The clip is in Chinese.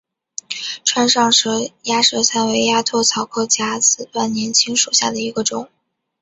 川上氏鸭舌疝为鸭跖草科假紫万年青属下的一个种。